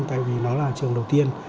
tại vì nó là trường đầu tiên